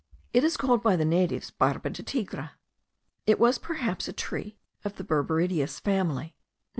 It is called by the natives barba de tigre. It was perhaps a tree of the berberideous family.